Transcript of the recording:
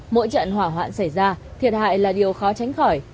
mỗi trận hỏa hoạn xảy ra thiệt hại là điều khó tránh khỏi